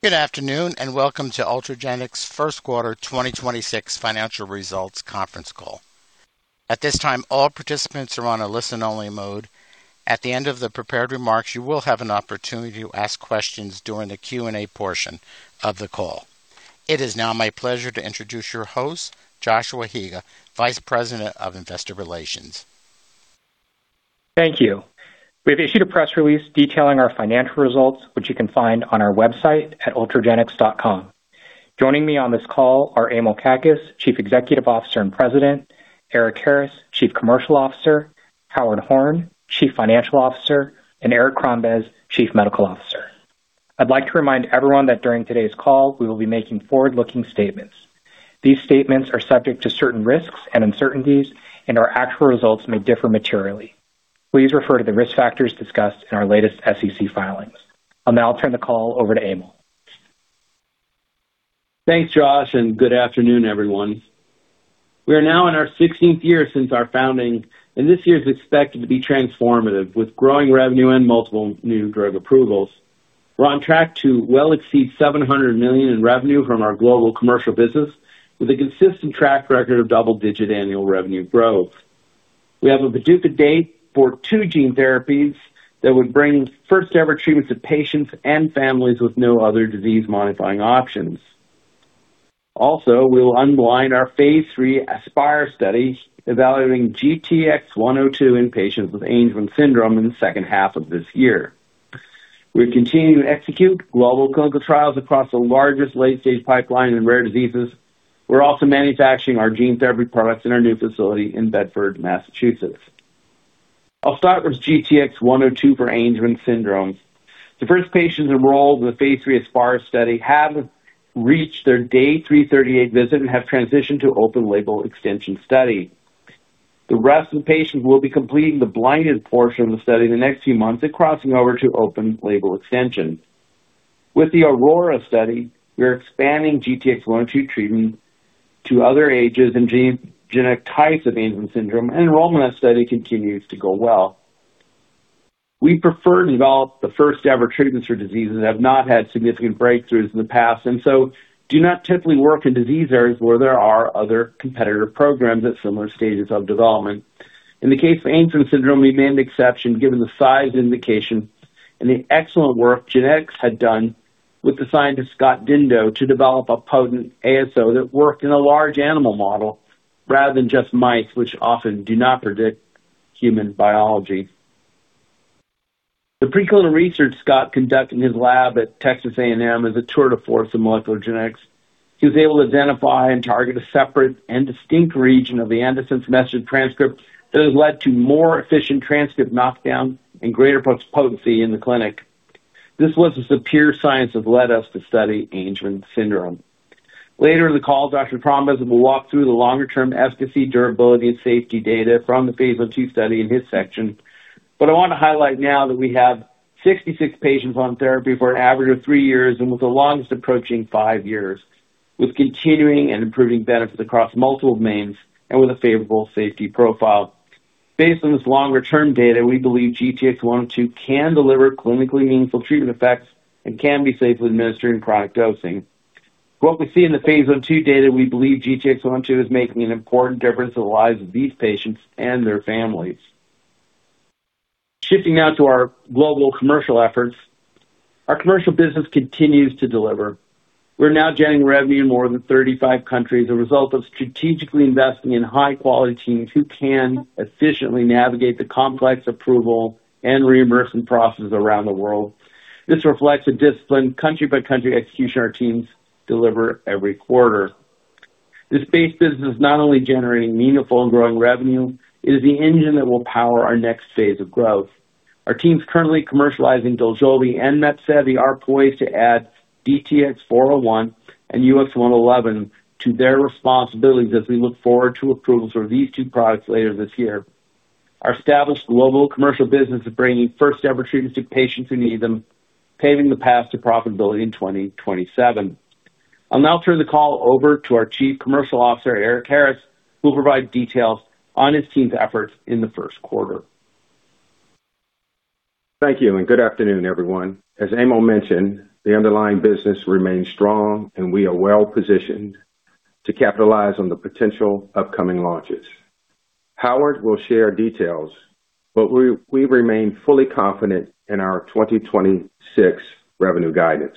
Good afternoon, and welcome to Ultragenyx' First Quarter 2026 Financial Results Conference Call. At this time, all participants are on a listen-only mode. At the end of the prepared remarks, you will have an opportunity to ask questions during the Q&A portion of the call. It is now my pleasure to introduce your host, Joshua Higa, Vice President of Investor Relations. Thank you. We have issued a press release detailing our financial results, which you can find on our website at ultragenyx.com. Joining me on this call are Emil Kakkis, Chief Executive Officer and President, Erik Harris, Chief Commercial Officer, Howard Horn, Chief Financial Officer, and Eric Crombez, Chief Medical Officer. I'd like to remind everyone that during today's call, we will be making forward-looking statements. These statements are subject to certain risks and uncertainties. Our actual results may differ materially. Please refer to the risk factors discussed in our latest SEC filings. I'll now turn the call over to Emil. Thanks, Josh. Good afternoon, everyone. We are now in our 16th year since our founding. This year is expected to be transformative with growing revenue and multiple new drug approvals. We are on track to well exceed $700 million in revenue from our global commercial business with a consistent track record of double-digit annual revenue growth. We have a PDUFA date for two gene therapies that would bring first-ever treatments to patients and families with no other disease-modifying options. Also, we will unblind our phase III Aspire study evaluating GTX-102 in patients with Angelman syndrome in the second half of this year. We continue to execute global clinical trials across the largest late-stage pipeline in rare diseases. We are also manufacturing our gene therapy products in our new facility in Bedford, Massachusetts. I'll start with GTX-102 for Angelman syndrome. The first patients enrolled in the phase III Aspire study have reached their day 338 visit and have transitioned to open-label extension study. The rest of the patients will be completing the blinded portion of the study in the next few months and crossing over to open label extension. With the Aurora study, we are expanding GTX-102 treatment to other ages and genetic types of Angelman syndrome, and enrollment in that study continues to go well. We prefer to develop the first-ever treatments for diseases that have not had significant breakthroughs in the past, and so do not typically work in disease areas where there are other competitor programs at similar stages of development. In the case of Angelman syndrome, we made an exception given the size indication and the excellent work GeneTx had done with the scientist Scott Dindot to develop a potent ASO that worked in a large animal model rather than just mice, which often do not predict human biology. The preclinical research Scott conducted in his lab at Texas A&M is a tour de force of molecular genetics. He was able to identify and target a separate and distinct region of the Angelman's message transcript that has led to more efficient transcript knockdown and greater potency in the clinic. This list of superior science has led us to study Angelman syndrome. Later in the call, Dr. Crombez will walk through the longer-term efficacy, durability, and safety data from the phase I-II study in his section. I want to highlight now that we have 66 patients on therapy for an average of three years and with the longest approaching five years, with continuing and improving benefits across multiple domains and with a favorable safety profile. Based on this longer-term data, we believe GTX-102 can deliver clinically meaningful treatment effects and can be safely administered in chronic dosing. What we see in the phase I/II data, we believe GTX-102 is making an important difference in the lives of these patients and their families. Shifting now to our global commercial efforts. Our commercial business continues to deliver. We're now generating revenue in more than 35 countries, a result of strategically investing in high-quality teams who can efficiently navigate the complex approval and reimbursement processes around the world. This reflects a disciplined country-by-country execution our teams deliver every quarter. This base business is not only generating meaningful and growing revenue, it is the engine that will power our next phase of growth. Our teams currently commercializing DOJOLVI and MEPSEVII are poised to add DTX401 and UX111 to their responsibilities as we look forward to approvals for these two products later this year. Our established global commercial business is bringing first-ever treatments to patients who need them, paving the path to profitability in 2027. I'll now turn the call over to our Chief Commercial Officer, Erik Harris, who will provide details on his team's efforts in the first quarter. Thank you, good afternoon, everyone. As Emil mentioned, the underlying business remains strong, and we are well-positioned to capitalize on the potential upcoming launches. Howard will share details, but we remain fully confident in our 2026 revenue guidance.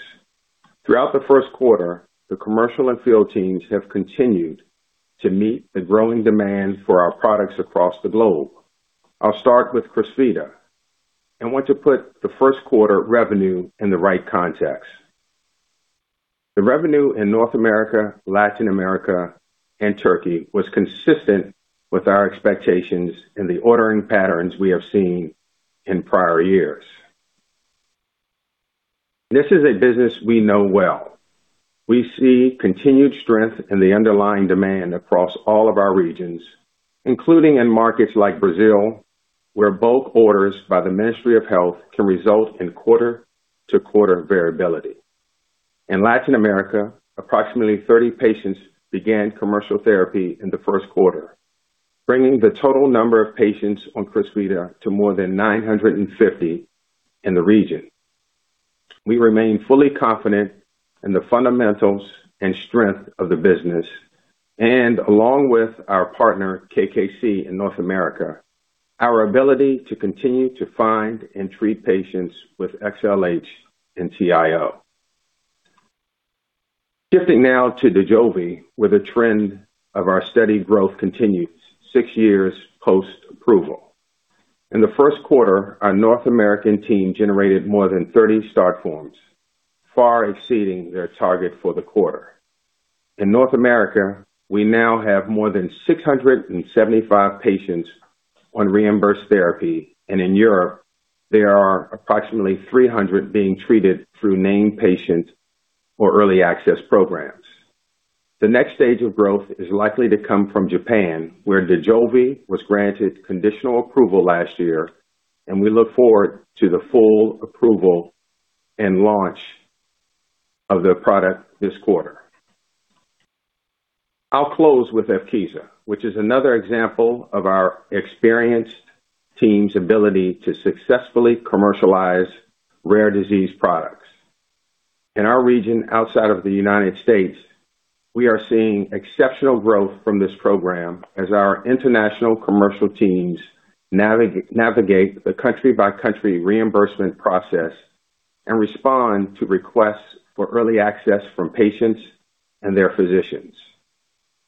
Throughout the first quarter, the commercial and field teams have continued to meet the growing demand for our products across the globe. I'll start with CRYSVITA and want to put the first quarter revenue in the right context. The revenue in North America, Latin America, and Turkey was consistent with our expectations in the ordering patterns we have seen in prior years. This is a business we know well. We see continued strength in the underlying demand across all of our regions, including in markets like Brazil, where bulk orders by the Ministry of Health can result in quarter-to-quarter variability. In Latin America, approximately 30 patients began commercial therapy in the first quarter. Bringing the total number of patients on CRYSVITA to more than 950 in the region. We remain fully confident in the fundamentals and strength of the business along with our partner KKC in North America, our ability to continue to find and treat patients with XLH and TIO. Shifting now to DOJOLVI, where the trend of our steady growth continues six years post-approval. In the first quarter, our North American team generated more than 30 start forms, far exceeding their target for the quarter. In North America, we now have more than 675 patients on reimbursed therapy, and in Europe there are approximately 300 being treated through named patient or early access programs. The next stage of growth is likely to come from Japan, where DOJOLVI was granted conditional approval last year. We look forward to the full approval and launch of the product this quarter. I'll close with EVKEEZA, which is another example of our experienced team's ability to successfully commercialize rare disease products. In our region outside of the United States, we are seeing exceptional growth from this program as our international commercial teams navigate the country-by-country reimbursement process and respond to requests for early access from patients and their physicians.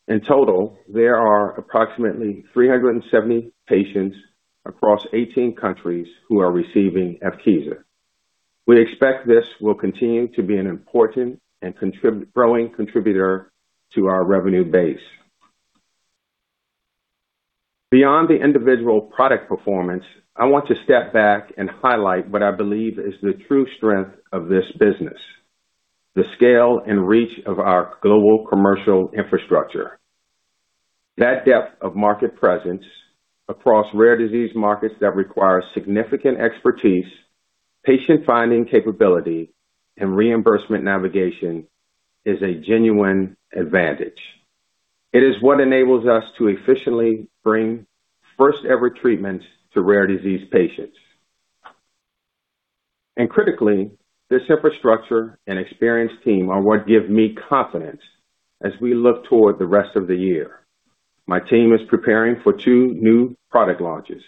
In total, there are approximately 370 patients across 18 countries who are receiving EVKEEZA. We expect this will continue to be an important and growing contributor to our revenue base. Beyond the individual product performance, I want to step back and highlight what I believe is the true strength of this business, the scale and reach of our global commercial infrastructure. That depth of market presence across rare disease markets that require significant expertise, patient-finding capability, and reimbursement navigation is a genuine advantage. It is what enables us to efficiently bring first-ever treatments to rare disease patients. Critically, this infrastructure and experienced team are what give me confidence as we look toward the rest of the year. My team is preparing for two new product launches,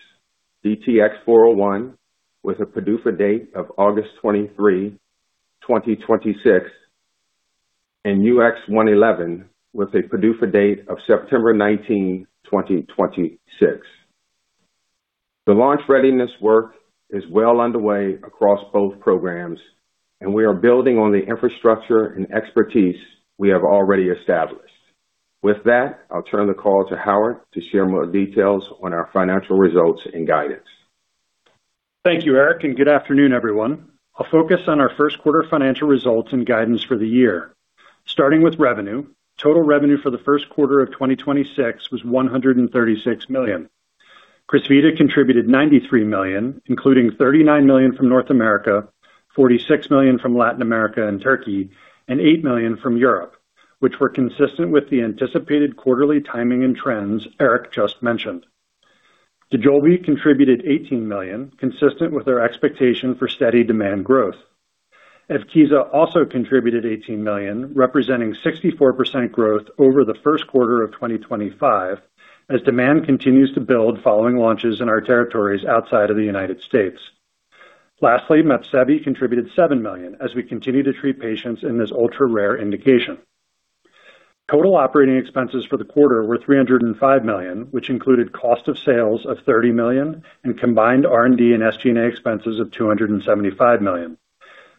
DTX401 with a PDUFA date of August 23, 2026, and UX111 with a PDUFA date of September 19, 2026. The launch readiness work is well underway across both programs, We are building on the infrastructure and expertise we have already established. With that, I'll turn the call to Howard to share more details on our financial results and guidance. Thank you, Erik, and good afternoon, everyone. I'll focus on our first quarter financial results and guidance for the year. Starting with revenue. Total revenue for the first quarter of 2026 was $136 million. CRYSVITA contributed $93 million, including $39 million from North America, $46 million from Latin America and Turkey, and $8 million from Europe, which were consistent with the anticipated quarterly timing and trends Erik just mentioned. DOJOLVI contributed $18 million, consistent with our expectation for steady demand growth. EVKEEZA also contributed $18 million, representing 64% growth over the first quarter of 2025 as demand continues to build following launches in our territories outside of the United States. Lastly, MEPSEVII contributed $7 million as we continue to treat patients in this ultra-rare indication. Total operating expenses for the quarter were $305 million, which included cost of sales of $30 million and combined R&D and SG&A expenses of $275 million.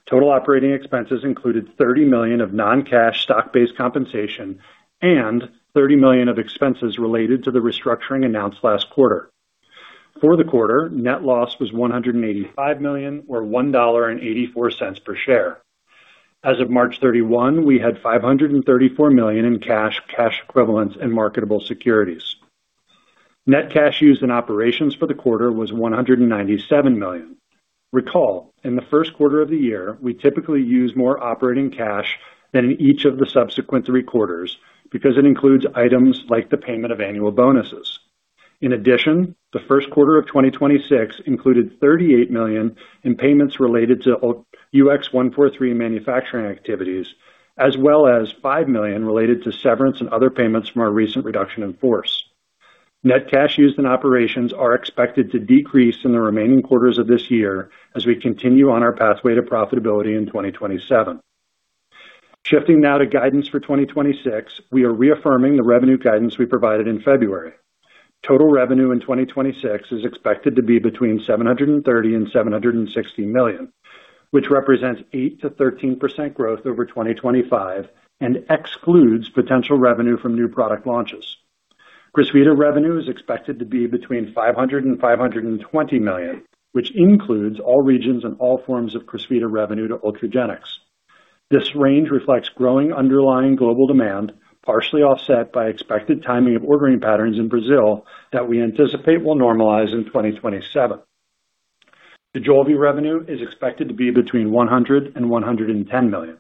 Total operating expenses included $30 million of non-cash stock-based compensation and $30 million of expenses related to the restructuring announced last quarter. For the quarter, net loss was $185 million or $1.84 per share. As of March 31, we had $534 million in cash equivalents and marketable securities. Net cash used in operations for the quarter was $197 million. Recall, in the first quarter of the year, we typically use more operating cash than in each of the subsequent three quarters because it includes items like the payment of annual bonuses. In addition, the first quarter of 2026 included $38 million in payments related to UX143 manufacturing activities as well as $5 million related to severance and other payments from our recent reduction in force. Net cash used in operations is expected to decrease in the remaining quarters of this year as we continue on our pathway to profitability in 2027. Shifting now to guidance for 2026. We are reaffirming the revenue guidance we provided in February. Total revenue in 2026 is expected to be between $730 million and $760 million, which represents 8%-13% growth over 2025 and excludes potential revenue from new product launches. CRYSVITA revenue is expected to be between $500 million and $520 million, which includes all regions and all forms of CRYSVITA revenue to Ultragenyx. This range reflects growing underlying global demand, partially offset by expected timing of ordering patterns in Brazil that we anticipate will normalize in 2027. The DOJOLVI revenue is expected to be between $100 million and $110 million.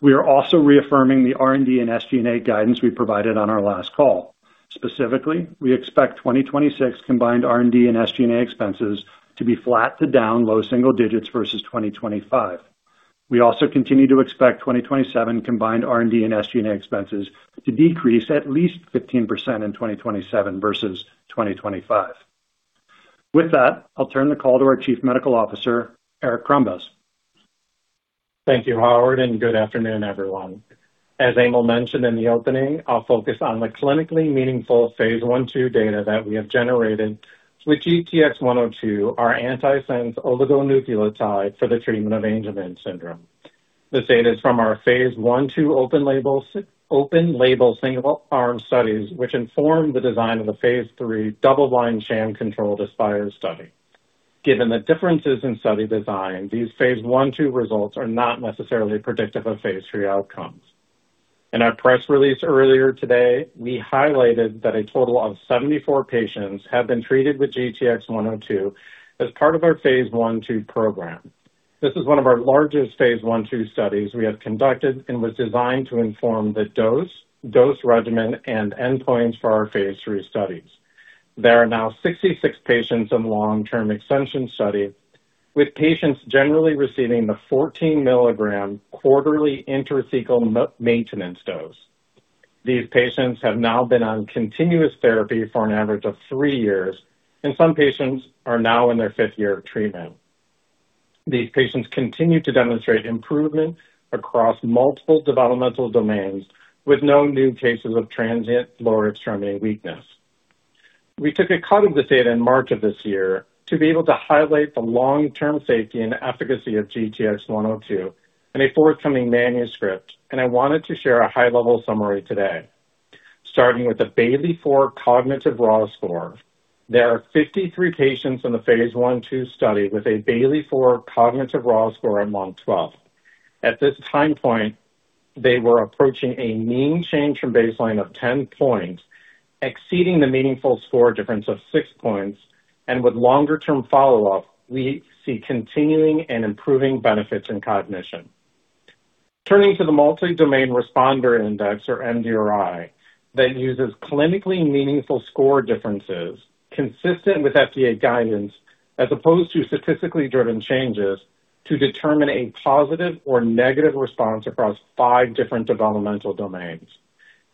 We are also reaffirming the R&D and SG&A guidance we provided on our last call. Specifically, we expect 2026 combined R&D and SG&A expenses to be flat to down low single digits versus 2025. We also continue to expect 2027 combined R&D and SG&A expenses to decrease at least 15% in 2027 versus 2025. With that, I'll turn the call to our Chief Medical Officer, Eric Crombez. Thank you, Howard. Good afternoon, everyone. As Emil mentioned in the opening, I'll focus on the clinically meaningful phase I/II data that we have generated with GTX-102, our antisense oligonucleotide for the treatment of Angelman syndrome. This data is from our phase I/II open label single-arm studies, which inform the design of the phase III double-blind, sham-controlled Aspire study. Given the differences in study design, these phase I/II results are not necessarily predictive of phase III outcomes. In our press release earlier today, we highlighted that a total of 74 patients have been treated with GTX-102 as part of our phase I/II program. This is one of our largest phase I/II studies we have conducted and was designed to inform the dose, dose regimen, and endpoints for our phase III studies. There are now 66 patients in long-term extension study, with patients generally receiving the 14-milligram quarterly intrathecal maintenance dose. These patients have now been on continuous therapy for an average of three years, and some patients are now in their fifth year of treatment. These patients continue to demonstrate improvement across multiple developmental domains, with no new cases of transient lower extremity weakness. We took a cut of this data in March of this year to be able to highlight the long-term safety and efficacy of GTX-102 in a forthcoming manuscript. I wanted to share a high-level summary today. Starting with the Bayley-4 cognitive raw score, there are 53 patients in the phase I/II study with a Bayley-4 cognitive raw score at month 12. At this time point, they were approaching a mean change from baseline of 10 points, exceeding the meaningful score difference of six points. With longer-term follow-up, we see continuing and improving benefits in cognition. Turning to the Multi-Domain Responder Index, or MDRI, that uses clinically meaningful score differences consistent with FDA guidance, as opposed to statistically driven changes, to determine a positive or negative response across five different developmental domains.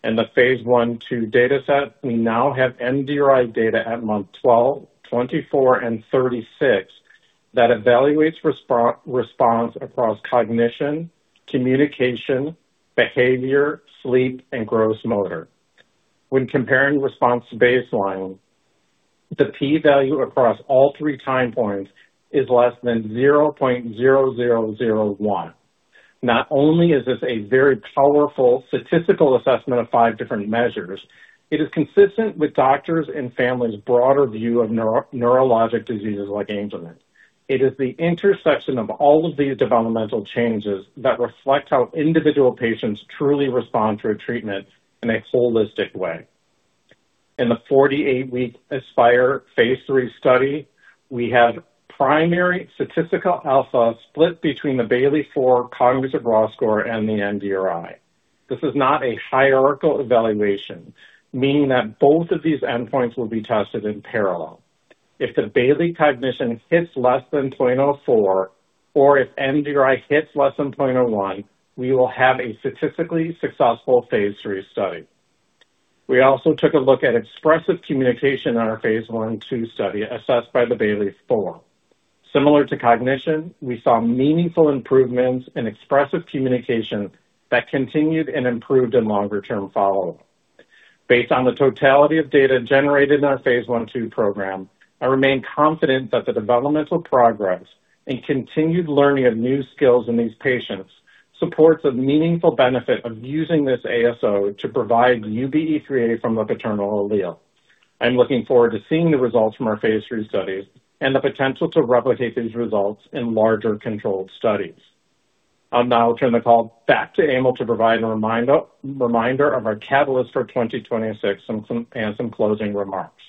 In the phase I/II dataset, we now have MDRI data at month 12, 24, and 36 that evaluates response across cognition, communication, behavior, sleep, and gross motor. When comparing response to baseline, the P value across all three time points is less than 0.0001. Not only is this a very powerful statistical assessment of five different measures, it is consistent with doctors' and families' broader view of neurologic diseases like Angelman. It is the intersection of all of these developmental changes that reflect how individual patients truly respond to a treatment in a holistic way. In the 48-week Aspire phase III study, we have primary statistical alpha split between the Bayley-4 cognitive raw score and the MDRI. This is not a hierarchical evaluation, meaning that both of these endpoints will be tested in parallel. If the Bayley cognition hits less than 0.04, or if MDRI hits less than 0.01, we will have a statistically successful phase III study. We also took a look at expressive communication on our phase I/II study assessed by the Bayley-4. Similar to cognition, we saw meaningful improvements in expressive communication that continued and improved in longer-term follow-up. Based on the totality of data generated in our phase I/II program, I remain confident that the developmental progress and continued learning of new skills in these patients supports the meaningful benefit of using this ASO to provide UBE3A from the paternal allele. I'm looking forward to seeing the results from our phase III studies and the potential to replicate these results in larger controlled studies. I'll now turn the call back to Emil to provide a reminder of our catalysts for 2026 and some closing remarks.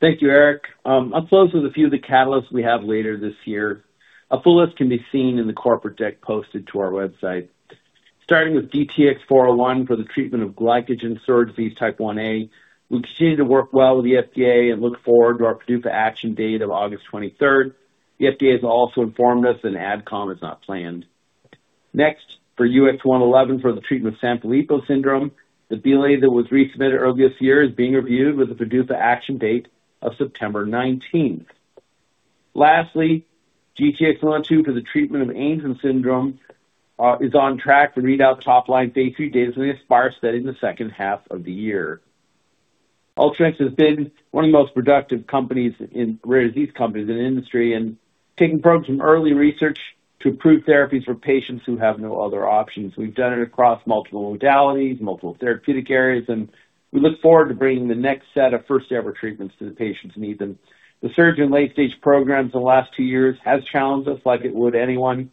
Thank you, Eric. I'll close with a few of the catalysts we have later this year. A full list can be seen in the corporate deck posted to our website. Starting with DTX401 for the treatment of glycogen storage disease type 1a, we continue to work well with the FDA and look forward to our PDUFA action date of August 23rd. The FDA has also informed us an ad com is not planned. Next, for UX111 for the treatment of Sanfilippo syndrome, the BLA that was resubmitted early this year is being reviewed with a PDUFA action date of September 19th. Lastly, GTX-102 for the treatment of Angelman syndrome, is on track for readout top-line phase III data in the Aspire study in the second half of the year. Ultragenyx has been one of the most productive companies in rare disease in the industry and taking drugs from early research to approved therapies for patients who have no other options. We've done it across multiple modalities, multiple therapeutic areas, and we look forward to bringing the next set of first-ever treatments to the patients' needs. The surge in late-stage programs in the last two years has challenged us like it would anyone.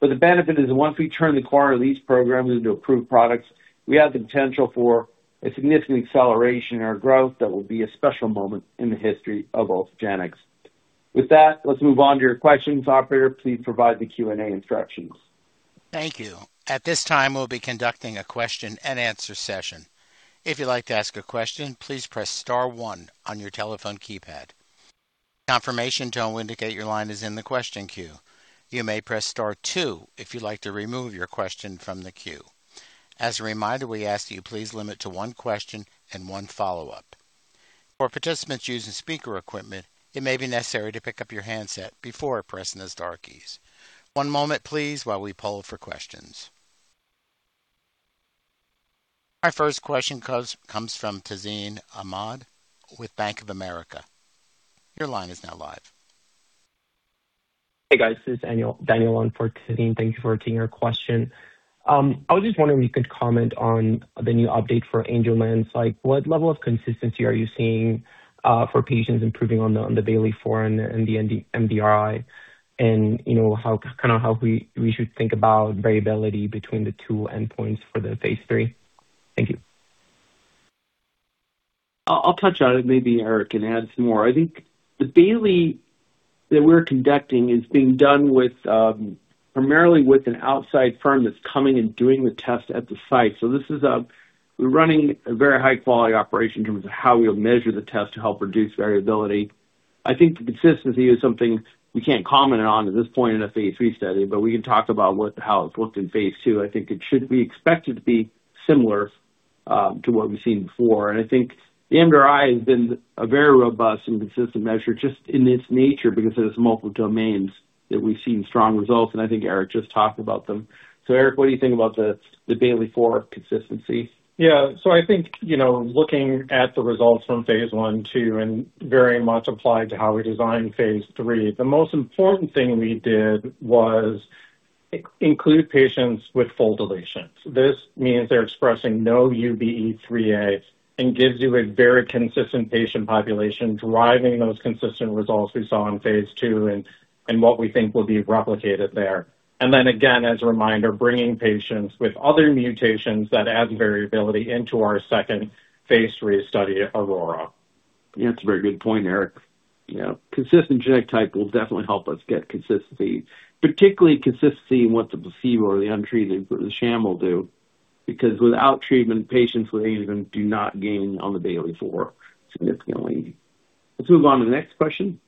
The benefit is once we turn the corner of these programs into approved products, we have the potential for a significant acceleration in our growth that will be a special moment in the history of Ultragenyx. With that, let's move on to your questions. Operator, please provide the Q&A instructions. Thank you. At this time, we'll be conducting a question-and-answer session. If you'd like to ask a question, please press star one on your telephone keypad. Confirmation tone will indicate your line is in the question queue. You may press star two if you'd like to remove your question from the queue. As a reminder, we ask that you please limit to one question and one follow-up. For participants using speaker equipment, it may be necessary to pick up your handset before pressing the star keys. One moment, please, while we poll for questions. Our first question comes from Tazeen Ahmad with Bank of America. Your line is now live. Hey, guys. This is Daniel on for Tazeen. Thank you for taking our question. I was just wondering if you could comment on the new update for Angelman. Like, what level of consistency are you seeing for patients improving on the Bayley-4 and the MDRI? You know, how we should think about variability between the two endpoints for the phase III? Thank you. I'll touch on it. Maybe Eric can add some more. I think the Bayley that we're conducting is being done with primarily with an outside firm that's coming and doing the test at the site. This is, we're running a very high-quality operation in terms of how we'll measure the test to help reduce variability. I think the consistency is something we can't comment on at this point in a phase III study, but we can talk about what, how it's looked in phase II. I think it should be expected to be similar to what we've seen before. I think the MDRI has been a very robust and consistent measure just in its nature because of its multiple domains that we've seen strong results, and I think Eric just talked about them. Eric, what do you think about the Bayley-4 consistency? Yeah. I think, you know, looking at the results from phase I, II, and very much applied to how we designed phase III, the most important thing we did was include patients with full deletions. This means they're expressing no UBE3A and gives you a very consistent patient population, driving those consistent results we saw in phase II and what we think will be replicated there. Then again, as a reminder, bringing patients with other mutations that add variability into our second phase III study, Aurora. Yeah, that's a very good point, Eric. Yeah. Consistent genotype will definitely help us get consistency, particularly consistency in what the placebo or the untreated or the sham will do because without treatment, patients with Angelman do not gain on the Bayley-4 significantly. Let's move on to the next question.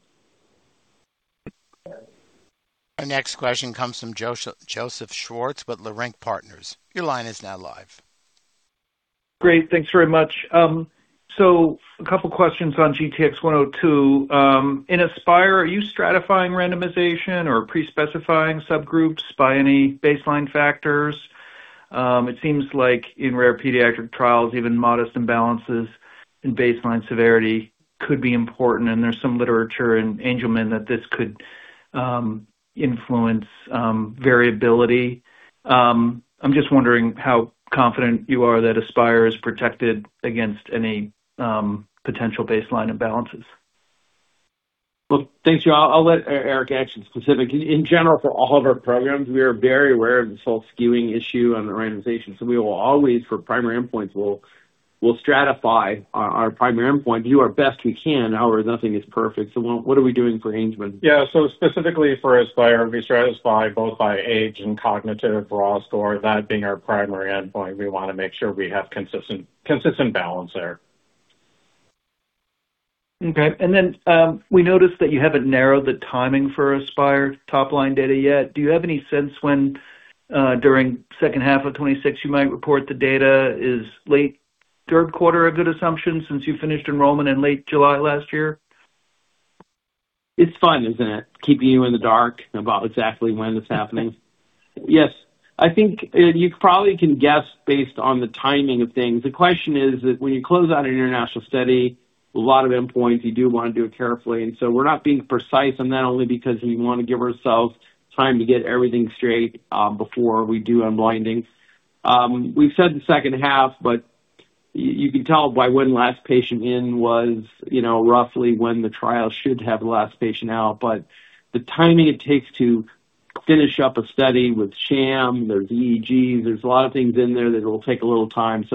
Our next question comes from Joseph Schwartz with Leerink Partners. Your line is now live. Great. Thanks very much. A couple questions on GTX-102. In Aspire, are you stratifying randomization or pre-specifying subgroups by any baseline factors? It seems like in rare pediatric trials, even modest imbalances in baseline severity could be important, and there's some literature in Angelman that this could influence variability. I'm just wondering how confident you are that Aspire is protected against any potential baseline imbalances. Well, thank you. I'll let Eric answer specifically. In general, for all of our programs, we are very aware of the salt skewing issue on the randomization, so we will always, for primary endpoints, we'll stratify our primary endpoint, do our best we can. However, nothing is perfect. What are we doing for Angelman? Yeah. Specifically for Aspire, we stratify both by age and cognitive raw score. That being our primary endpoint, we wanna make sure we have consistent balance there. Okay. We noticed that you haven't narrowed the timing for Aspire top-line data yet. Do you have any sense when, during second half of 2026 you might report the data? Is late third quarter a good assumption since you finished enrollment in late July last year? It's fun, isn't it? Keeping you in the dark about exactly when it's happening. Yes. I think, you probably can guess based on the timing of things. The question is that when you close out an international study, a lot of endpoints, you do wanna do it carefully. We're not being precise on that only because we wanna give ourselves time to get everything straight before we do unblinding. We've said the second half, but you can tell by when last patient in was, you know, roughly when the trial should have the last patient out. The timing it takes to finish up a study with sham, there's EEGs, there's a lot of things in there that will take a little time.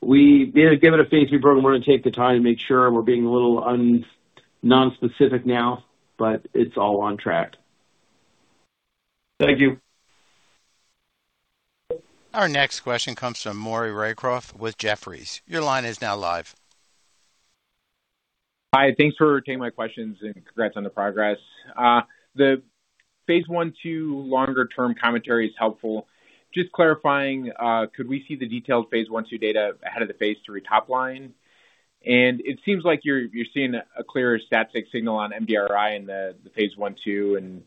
We, you know, given a phase III program, wanna take the time to make sure we're being a little nonspecific now, but it's all on track. Thank you. Our next question comes from Maury Raycroft with Jefferies. Your line is now live. Hi, thanks for taking my questions, and congrats on the progress. The phase I/II longer-term commentary is helpful. Just clarifying, could we see the detailed phase I/II data ahead of the phase III top line? It seems like you're seeing a clearer stat sig signal on MDRI in the phase I/II.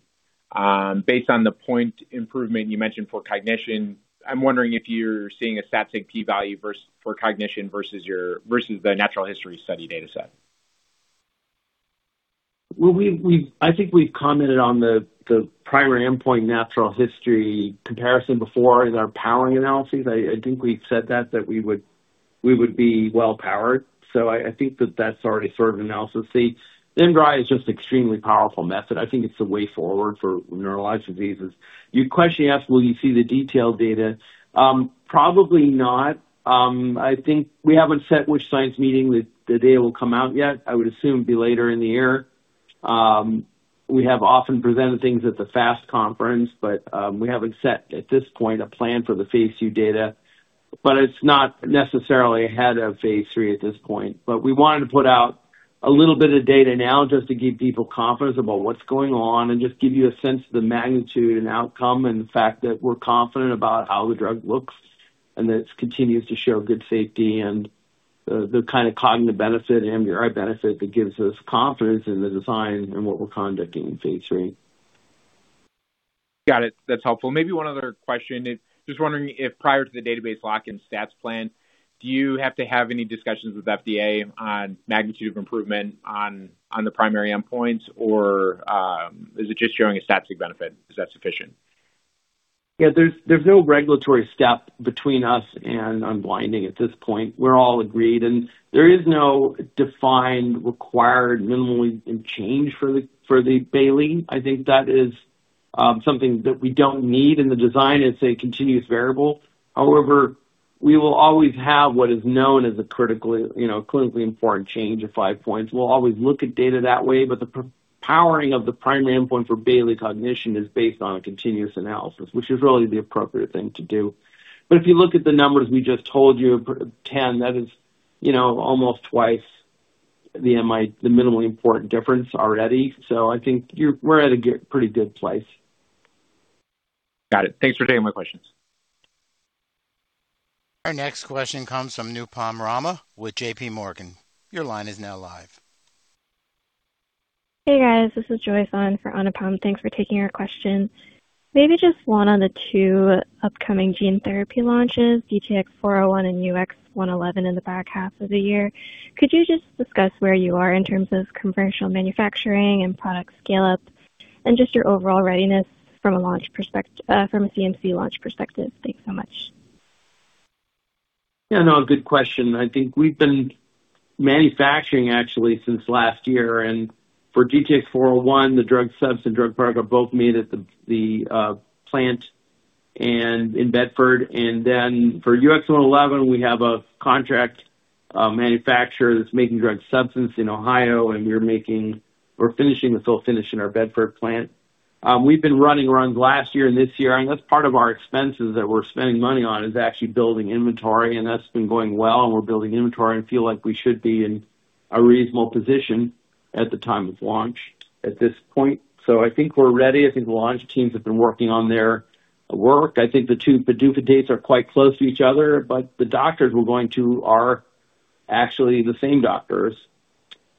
Based on the point improvement you mentioned for cognition, I'm wondering if you're seeing a stat sig p-value for cognition versus the natural history study data set. I think we've commented on the primary endpoint natural history comparison before in our powering analyses. I think we've said that we would be well powered. I think that's already sort of analysis. The MDRI is just extremely powerful method. I think it's the way forward for neurologic diseases. Your question you asked, will you see the detailed data? Probably not. I think we haven't set which science meeting the data will come out yet. I would assume it'd be later in the year. We have often presented things at the FAST Conference, we haven't set at this point a plan for the phase II data. It's not necessarily ahead of phase III at this point. We wanted to put out a little bit of data now just to give people confidence about what's going on and just give you a sense of the magnitude and outcome and the fact that we're confident about how the drug looks and that it continues to show good safety and the kind of cognitive benefit and MDRI benefit that gives us confidence in the design and what we're conducting in phase III. Got it. That's helpful. Maybe one other question. Just wondering if prior to the database lock and stats plan, do you have to have any discussions with FDA on magnitude of improvement on the primary endpoints, or is it just showing a statistical benefit? Is that sufficient? Yeah. There's no regulatory step between us and unblinding at this point. We're all agreed. There is no defined required minimally change for the Bayley. I think that is something that we don't need in the design. It's a continuous variable. However, we will always have what is known as a critically, you know, clinically important change of five points. We'll always look at data that way. The powering of the primary endpoint for Bayley cognition is based on a continuous analysis, which is really the appropriate thing to do. If you look at the numbers we just told you, 10, that is, you know, almost twice the minimally important difference already. I think we're at a pretty good place. Got it. Thanks for taking my questions. Our next question comes from Anupam Rama with JPMorgan. Your line is now live. Hey, guys. This is Joy on for Anupam. Thanks for taking our question. Maybe just one on the two upcoming gene therapy launches, DTX401 and UX111 in the back half of the year. Could you just discuss where you are in terms of commercial manufacturing and product scale-up and just your overall readiness from a CMC launch perspective? Thanks so much. Good question. I think we've been manufacturing actually since last year. For DTX401, the drug subs and drug product are both made at the plant in Bedford. For UX111, we have a contract manufacturer that's making drug substance in Ohio, and we're finishing the fill finish in our Bedford plant. We've been running runs last year and this year, and that's part of our expenses that we're spending money on is actually building inventory, and that's been going well. We're building inventory and feel like we should be in a reasonable position at the time of launch at this point. I think we're ready. I think the launch teams have been working on their work. I think the two PDUFA dates are quite close to each other, but the doctors we're going to are actually the same doctors.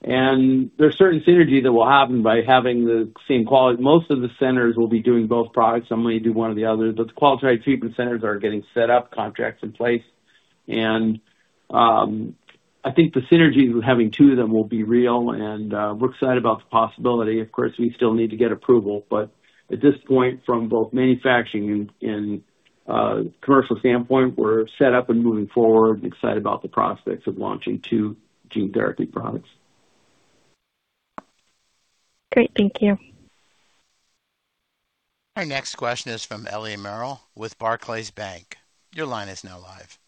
There's certain synergy that will happen by having the same. Most of the centers will be doing both products. Some may do one or the other. The quality treatment centers are getting set up, contracts in place. I think the synergy with having two of them will be real, and we're excited about the possibility. Of course, we still need to get approval, but at this point, from both manufacturing and commercial standpoint, we're set up and moving forward and excited about the prospects of launching two gene therapy products. Great. Thank you. Our next question is from Ellie Merle with Barclays Bank. Your line is now live.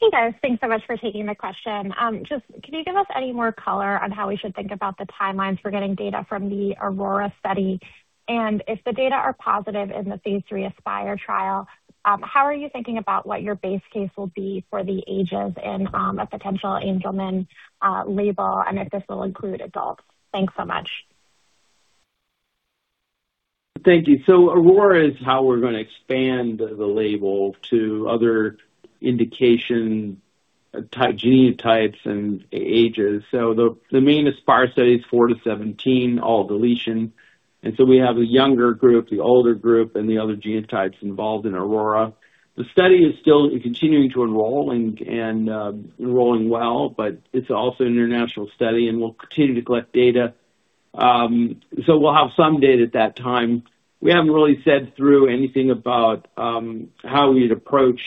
Hey, guys. Thanks so much for taking the question. Just can you give us any more color on how we should think about the timelines for getting data from the Aurora study? If the data are positive in the phase III Aspire trial, how are you thinking about what your base case will be for the ages in a potential Angelman label and if this will include adults? Thanks so much. Thank you. Aurora is how we're going to expand the label to other genotypes and ages. The main Aspire study is four to 17, all deletion. We have a younger group, the older group, and the other genotypes involved in Aurora. The study is still continuing to enroll and enrolling well, but it's also an international study, and we'll continue to collect data. We'll have some data at that time. We haven't really said through anything about how we'd approach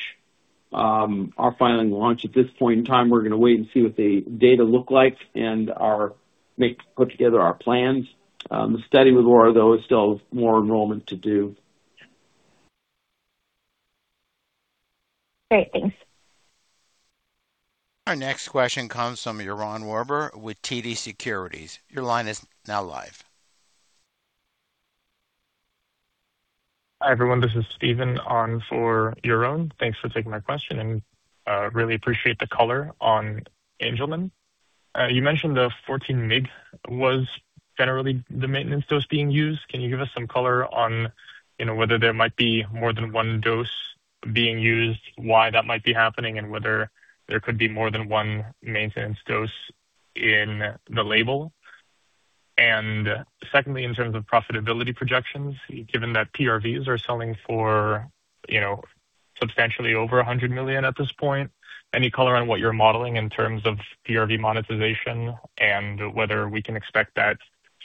our filing launch at this point in time. We're going to wait and see what the data look like and put together our plans. The study with Aurora, though, is still more enrollment to do. Great. Thanks. Our next question comes from Yaron Werber with TD Securities. Your line is now live. Hi, everyone. This is Steven on for Yaron. Thanks for taking my question, and really appreciate the color on Angelman. You mentioned the 14 mig was generally the maintenance dose being used. Can you give us some color on, you know, whether there might be more than one dose being used, why that might be happening, and whether there could be more than one maintenance dose in the label? Secondly, in terms of profitability projections, given that PRVs are selling for, you know, substantially over $100 million at this point, any color on what you're modeling in terms of PRV monetization and whether we can expect that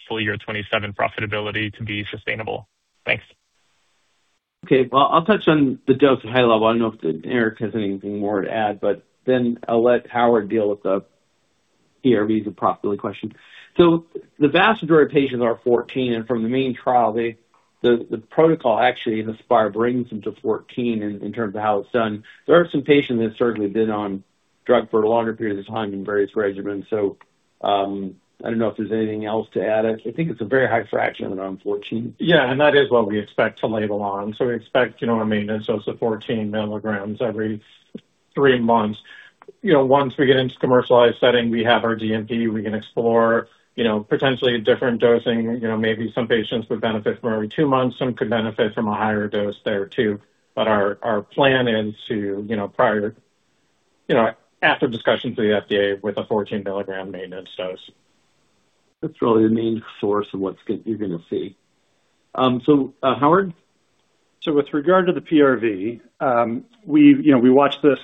full year 2027 profitability to be sustainable? Thanks. Okay. Well, I'll touch on the dose at high level. I don't know if Eric has anything more to add. I'll let Howard deal with the PRVs and profitability question. The vast majority of patients are 14, and from the main trial, the protocol actually in Aspire brings them to 14 in terms of how it's done. There are some patients that certainly been on drug for longer periods of time in various regimens. I don't know if there's anything else to add. I think it's a very high fraction around 14. Yeah. That is what we expect to label on. We expect, you know, a maintenance dose of 14 milligrams every three months. You know, once we get into commercialized setting, we have our DMP, we can explore, you know, potentially different dosing. You know, maybe some patients would benefit from every two months, some could benefit from a higher dose there too. Our plan is to, you know, prior to, you know, after discussions with the FDA, with a 14-milligram maintenance dose. That's really the main source of what's you're gonna see. Howard? With regard to the PRV, you know, we watch this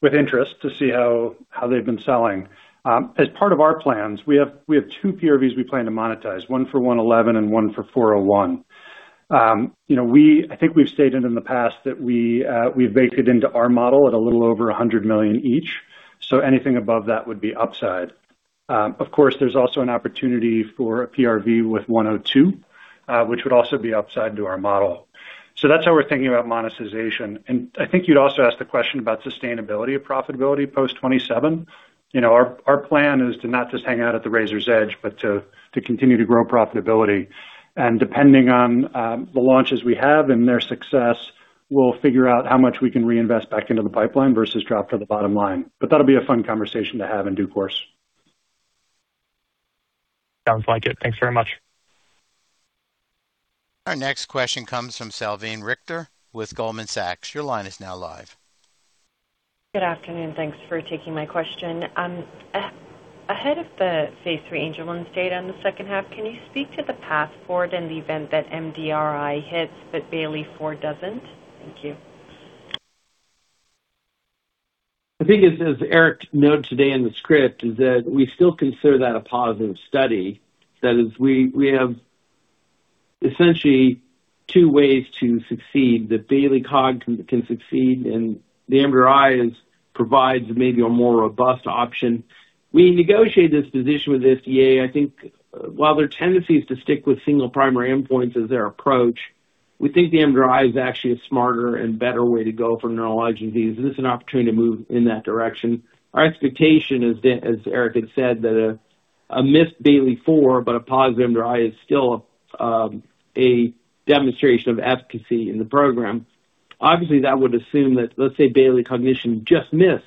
with interest to see how they've been selling. As part of our plans, we have two PRVs we plan to monetize, one for UX111 and one for DTX401. You know, I think we've stated in the past that we've baked it into our model at a little over $100 million each, so anything above that would be upside. Of course, there's also an opportunity for a PRV with GTX-102, which would also be upside to our model. That's how we're thinking about monetization. I think you'd also asked the question about sustainability of profitability post 2027. You know, our plan is to not just hang out at the razor's edge, but to continue to grow profitability. Depending on the launches we have and their success, we'll figure out how much we can reinvest back into the pipeline versus drop to the bottom line. That'll be a fun conversation to have in due course. Sounds like it. Thanks very much. Our next question comes from Salveen Richter with Goldman Sachs. Good afternoon. Thanks for taking my question. Ahead of the phase III Angelman's data in the second half, can you speak to the path forward in the event that MDRI hits, but Bayley-4 doesn't? Thank you. I think as Eric noted today in the script is that we still consider that a positive study. That is we have essentially two ways to succeed, that Bayley cog can succeed, and the MDRI is provides maybe a more robust option. We negotiate this position with the FDA, I think while their tendency is to stick with single primary endpoints as their approach, we think the MDRI is actually a smarter and better way to go for neurodegenerative diseases. This is an opportunity to move in that direction. Our expectation is, as Eric had said, that a missed Bayley-4 but a positive MDRI is still a demonstration of efficacy in the program. Obviously, that would assume that, let's say, Bayley cognition just missed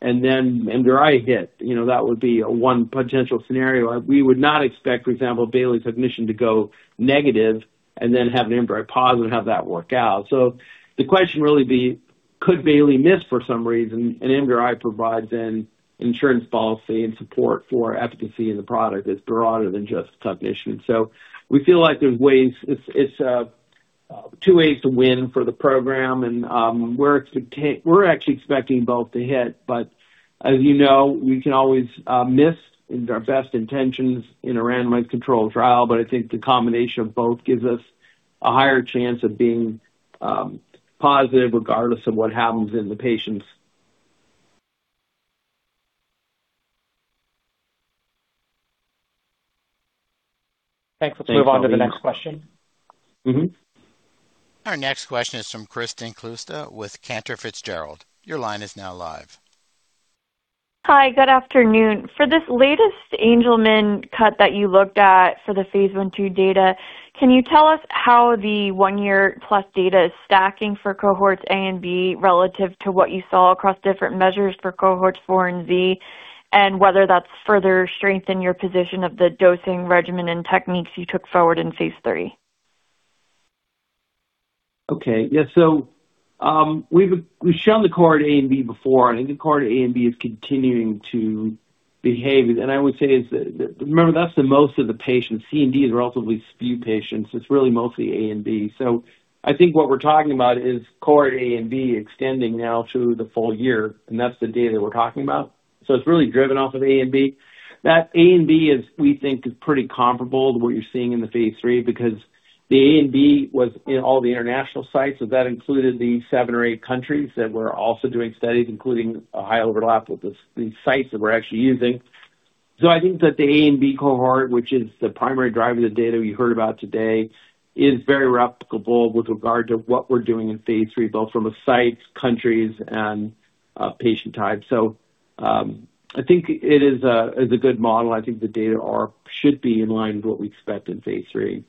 and then MDRI hit. You know, that would be a one potential scenario. We would not expect, for example, Bayley cognition to go negative and then have an MDRI positive and have that work out. The question really be, could Bayley miss for some reason, and MDRI provides an insurance policy and support for efficacy in the product that's broader than just cognition. We feel like there's ways, it's two ways to win for the program. We're actually expecting both to hit. As you know, we can always miss in our best intentions in a randomized controlled trial. I think the combination of both gives us a higher chance of being positive regardless of what happens in the patients. Thanks. Let's move on to the next question. Our next question is from Kristen Klooster with Cantor Fitzgerald. Your line is now live. Hi, good afternoon. For this latest Angelman cut that you looked at for the phase I/II data, can you tell us how the one-year plus data is stacking for cohorts A and B relative to what you saw across different measures for cohorts four and Z, and whether that's further strengthened your position of the dosing regimen and techniques you took forward in phase III? Okay. Yeah. We've shown the cohort A and B before. I think the cohort A and B is continuing to behave. I would say is that, remember, that's the most of the patients. C and D is relatively few patients. It's really mostly A and B. I think what we're talking about is cohort A and B extending now through the full year, and that's the data we're talking about. It's really driven off of A and B. That A and B is, we think, is pretty comparable to what you're seeing in the phase III because the A and B was in all the international sites. That included the seven or eight countries that were also doing studies, including a high overlap with the sites that we're actually using. I think that the A and B cohort, which is the primary driver of the data we heard about today, is very replicable with regard to what we're doing in phase III, both from the sites, countries, and patient type. I think it is a good model. I think the data are, should be in line with what we expect in phase III.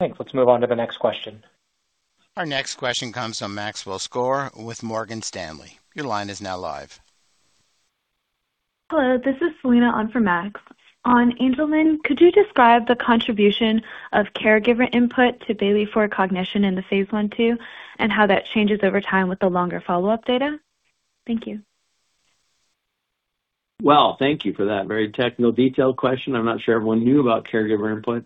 Thanks. Let's move on to the next question. Our next question comes from Maxwell Skor with Morgan Stanley. Your line is now live. Hello, this is Selena on for Max. On Angelman, could you describe the contribution of caregiver input to Bayley-4 cognition in the phase I/II and how that changes over time with the longer follow-up data? Thank you. Well, thank you for that very technical detailed question. I'm not sure everyone knew about caregiver input.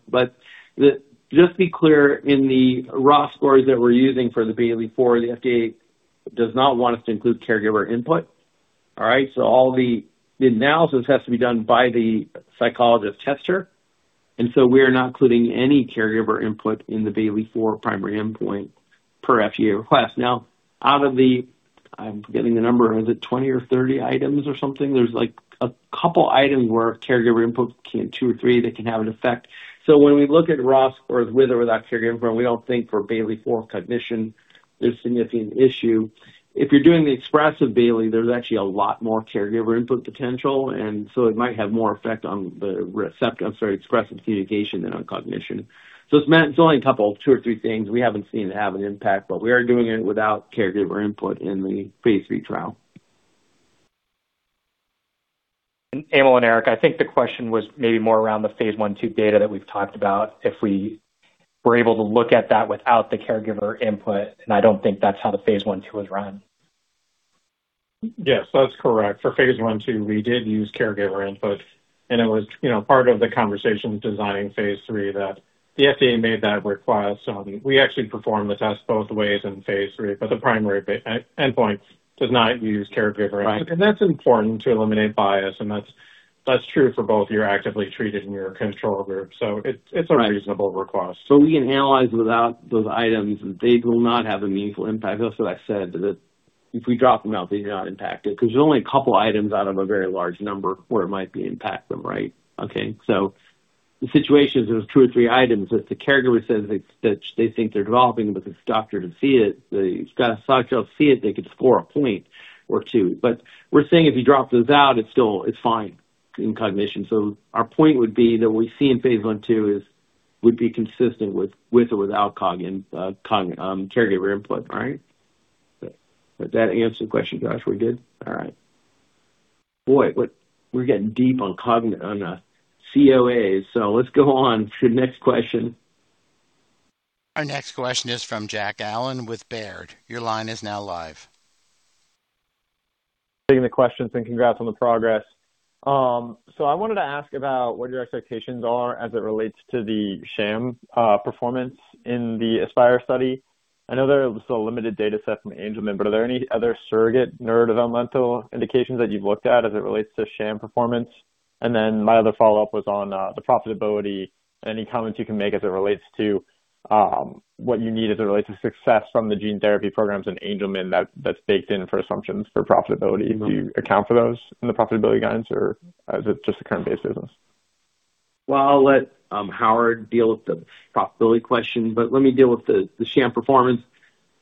Just to be clear, in the raw scores that we're using for the Bayley-4, the FDA does not want us to include caregiver input. All right? All the analysis has to be done by the psychologist tester, we are not including any caregiver input in the Bayley-4 primary endpoint per FDA request. Now, out of I'm forgetting the number. Is it 20 or 30 items or something? There's, like, a couple items where caregiver input, two or three, that can have an effect. When we look at raw scores with or without caregiver input, we don't think for Bayley-4 cognition there's significant issue. If you're doing the expressive Bayley, there's actually a lot more caregiver input potential. It might have more effect on the, I'm sorry, expressive communication than on cognition. It's only a couple, two or three things we haven't seen have an impact, but we are doing it without caregiver input in the phase III trial. Emil and Eric, I think the question was maybe more around the phase I/II data that we've talked about, if we were able to look at that without the caregiver input, and I don't think that's how the phase I/II was run. Yes, that's correct. For phase I, II, we did use caregiver input, and it was, you know, part of the conversation designing phase III that the FDA made that request. We actually performed the test both ways in phase III, but the primary endpoint does not use caregiver input. Right. That's important to eliminate bias, and that's true for both your actively treated and your control group. It's a reasonable request. We can analyze without those items. They will not have a meaningful impact. That's what I said, that if we drop them out, they do not impact it. Because there's only a couple items out of a very large number where it might be impacting, right? Okay. The situation is there's two or three items. If the caregiver says that they think they're developing, but the doctor doesn't see it, the psychiatrist don't see it, they could score a point or two. We're saying if you drop those out, it's still, it's fine in cognition. Our point would be that what we see in phase I/II is, would be consistent with or without caregiver input, right? Does that answer the question, Josh? We're good? All right. Boy, we're getting deep on COAs. Let's go on to the next question. Our next question is from Jack Allen with Baird. Your line is now live. Taking the questions, congrats on the progress. I wanted to ask about what your expectations are as it relates to the sham performance in the Aspire study. I know there is a limited data set from Angelman, are there any other surrogate neurodevelopmental indications that you've looked at as it relates to sham performance? My other follow-up was on the profitability. Any comments you can make as it relates to what you need as it relates to success from the gene therapy programs in Angelman that's baked in for assumptions for profitability. Do you account for those in the profitability guidance, or is it just the current base business? Well, I'll let Howard deal with the profitability question, but let me deal with the sham performance.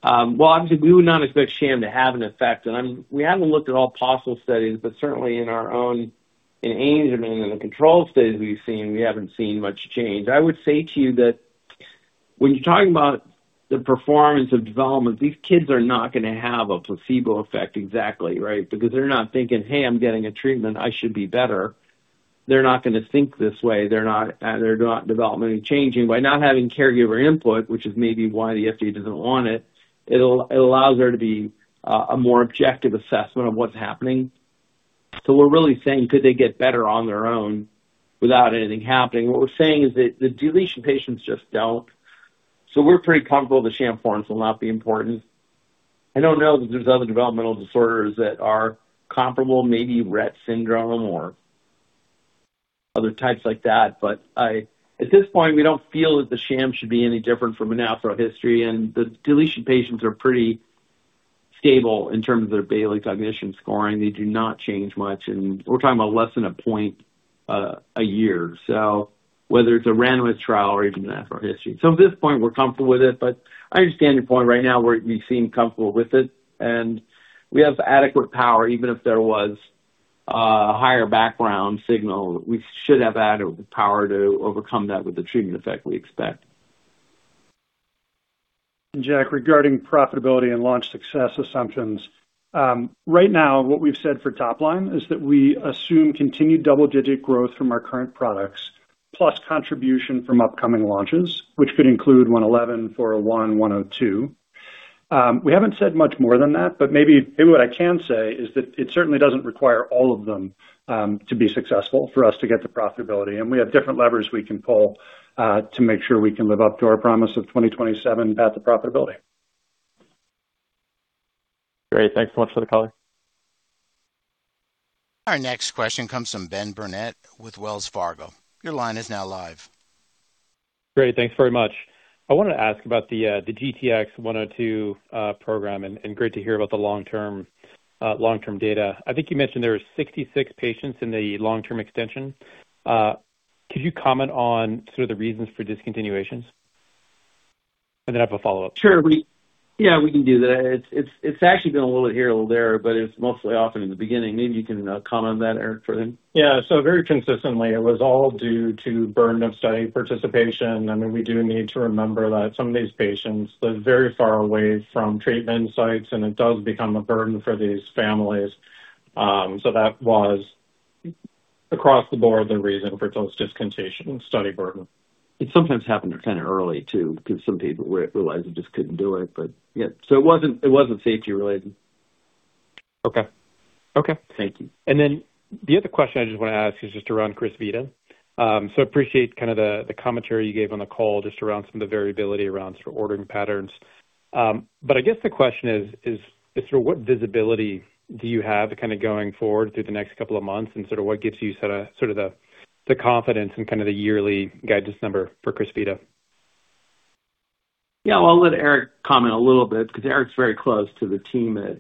Well, obviously we would not expect sham to have an effect. We haven't looked at all possible studies, but certainly in our own, in Angelman, in the control studies we've seen, we haven't seen much change. I would say to you that when you're talking about the performance of development, these kids are not gonna have a placebo effect exactly, right? They're not thinking, 'Hey, I'm getting a treatment. I should be better.' They're not gonna think this way. They're not, they're not developmentally changing. By not having caregiver input, which is maybe why the FDA doesn't want it allows there to be a more objective assessment of what's happening. We're really saying, could they get better on their own without anything happening? What we're saying is that the deletion patients just don't. We're pretty comfortable the sham forms will not be important. I don't know that there's other developmental disorders that are comparable, maybe Rett syndrome or other types like that. At this point, we don't feel that the sham should be any different from a natural history, and the deletion patients are pretty stable in terms of their Bayley cognition scoring. They do not change much, and we're talking about less than one point a year. Whether it's a randomized trial or even natural history. At this point, we're comfortable with it, but I understand your point right now where we seem comfortable with it, and we have adequate power. Even if there was a higher background signal, we should have adequate power to overcome that with the treatment effect we expect. Jack, regarding profitability and launch success assumptions, right now what we've said for top line is that we assume continued double-digit growth from our current products, plus contribution from upcoming launches, which could include UX111, DTX401, GTX-102. We haven't said much more than that, maybe what I can say is that it certainly doesn't require all of them to be successful for us to get to profitability. We have different levers we can pull to make sure we can live up to our promise of 2027 path to profitability. Great. Thanks so much for the color. Our next question comes from Ben Burnett with Wells Fargo. Your line is now live. Great. Thanks very much. I wanted to ask about the GTX-102 program, and great to hear about the long-term long-term data. I think you mentioned there were 66 patients in the long-term extension. Could you comment on sort of the reasons for discontinuations? Then I have a follow-up. Sure. Yeah, we can do that. It's actually been a little here, a little there, but it's mostly often in the beginning. Maybe you can comment on that, Eric, for them. Yeah. Very consistently, it was all due to burden of study participation. I mean, we do need to remember that some of these patients live very far away from treatment sites, and it does become a burden for these families. That was across the board the reason for those discontinuations, study burden. It sometimes happened kind of early, too, because some people realized they just couldn't do it. Yeah. It wasn't safety related. Okay. Thank you. The other question I just want to ask is just around CRYSVITA. Appreciate kind of the commentary you gave on the call just around some of the variability around sort of ordering patterns. I guess the question is sort of what visibility do you have kind of going forward through the next couple of months and sort of what gives you sort of the confidence in kind of the yearly guidance number for CRYSVITA? I'll let Eric comment a little bit because Erik's very close to the team at